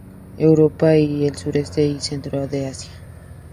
Europa y el suroeste y centro de Asia.